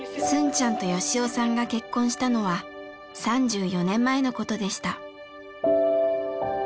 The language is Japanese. ちゃんと良夫さんが結婚したのは３４年前のことでした。